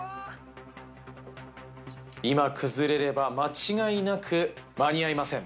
今崩れれば間違いなく間に合いません。